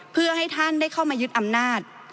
เพื่อให้ท่านได้เข้ามายึดอำนาจ